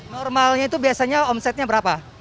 normalnya itu biasanya omsetnya berapa